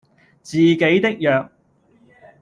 自己的弱